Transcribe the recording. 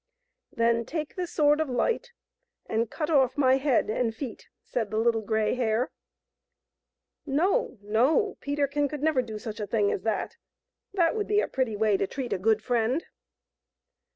" Then take the Sword of Light and cut off my head and feet," said the Little Grey Hare. No, no ; Peterkin could never do such a thing as that ; that would be a pretty way to treat a good friend.